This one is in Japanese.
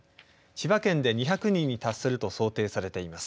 千葉県で２００人に達すると想定されています。